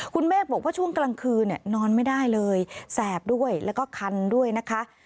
คุณเมฆบอกว่าช่วงกลางคืนนอนไม่ได้เลยแสบด้วยแล้วก็คันด้วยนะคะ